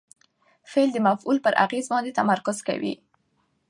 فعل د مفعول پر اغېز باندي تمرکز کوي.